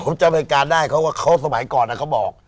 ผมจำเหตุการณ์ได้เพราะว่าเขาสมัยก่อนอะเขาบอก